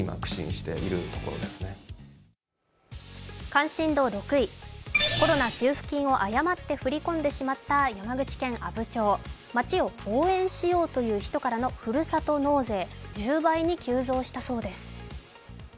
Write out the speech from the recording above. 関心度６位、コロナ給付金を誤って振り込んでしまった山口県阿武町町を応援しようという人からのふるさと納税１０倍に急増したそうです。